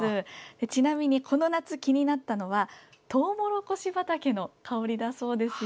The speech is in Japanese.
ちなみに、この夏気になったのはトウモロコシ畑の香りだそうですよ。